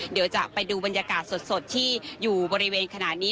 เดี๋ยวจะไปดูบรรยากาศสดที่อยู่บริเวณขณะนี้